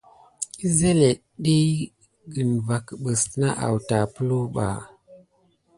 Əzelet ɗiyi kidi sine nà vakunà nane aouta puluba.